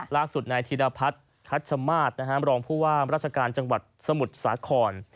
ล่าสุดนายธิรพัฒน์คัชมาศรองผู้ว่ามราชการจังหวัดสมุทรสาคร